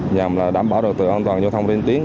nhằm đảm bảo trật tự an toàn giao thông trên tuyến